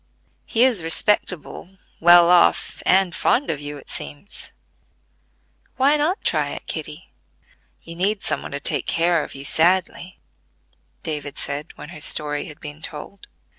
He is respectable, well off, and fond of you, it seems. Why not try it, Kitty? You need some one to take care of you sadly," David said, when her story had been told.